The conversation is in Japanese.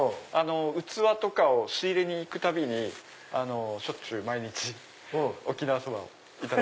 器とかを仕入れに行くたびにしょっちゅう毎日沖縄そばをいただいてました。